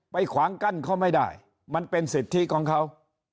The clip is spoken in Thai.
ขวางกั้นเขาไม่ได้มันเป็นสิทธิของเขา